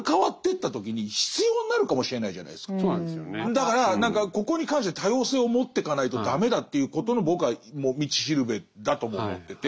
だから何かここに関して多様性を持ってかないと駄目だっていうことの僕は道しるべだとも思ってて。